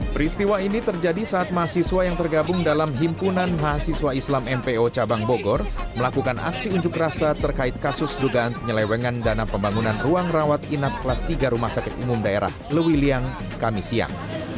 peristiwa ini terjadi saat mahasiswa yang tergabung dalam himpunan mahasiswa islam mpo cabang bogor melakukan aksi unjuk rasa terkait kasus dugaan penyelewengan dana pembangunan ruang rawat inap kelas tiga rumah sakit umum daerah lewiliang kami siang